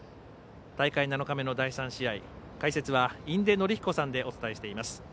大会７日目の第３試合解説は印出順彦さんでお伝えしています。